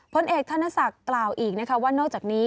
พลเอกธนศักดิ์กล่าวอีกนะคะว่านอกจากนี้